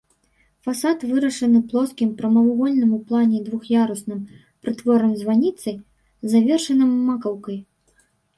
Фасад вырашаны плоскім прамавугольным у плане двух'ярусным прытворам-званіцай, завершаным макаўкай.